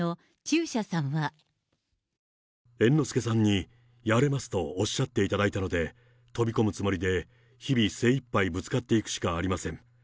猿之助さんに、やれますとおっしゃっていただいたので、飛び込むつもりで、日々、精いっぱいぶつかっていくしかありません。